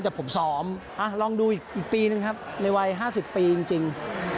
แต่ผมซ้อมลองดูอีกปีนึงครับในวัย๕๐ปีจริง